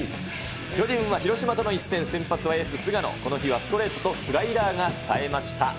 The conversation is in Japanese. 巨人は広島との一戦、先発は菅野、この日はストレートとスライダーがさえました。